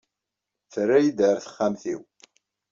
Terra-iyi-d ar texxamt-iw.